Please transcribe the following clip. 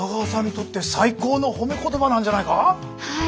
はい。